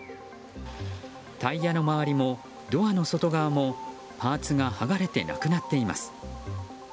タイヤの周りもドアの外側もパーツが剥がれてなくなっています。